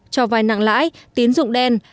cho vai nặng lãi tiến dụng đen